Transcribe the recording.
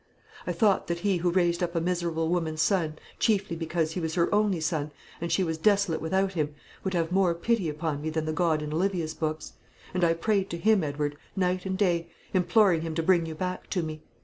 I thought that He who raised up a miserable woman's son chiefly because he was her only son, and she was desolate without him, would have more pity upon me than the God in Olivia's books: and I prayed to Him, Edward, night and day, imploring Him to bring you back to me.